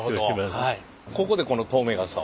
ここでこの透明傘を。